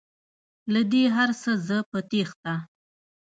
له دې هرڅه زه په تیښته